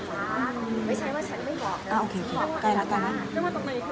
พูดเป็นเช่นไรว่าแพทย์จะอยากได้อันนั้นไปสุดท้าย